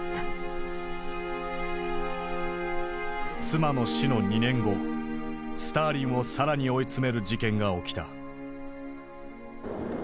妻の死の２年後スターリンを更に追い詰める事件が起きた。